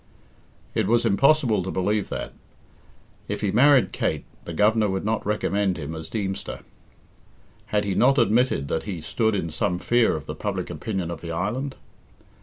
It was impossible to believe that. If he married Kate, the Governor would not recommend him as Deemster. Had he not admitted that he stood in some fear of the public opinion of the island?